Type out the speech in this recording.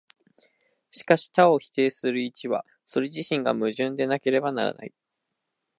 しかし多を否定する一は、それ自身が矛盾でなければならない。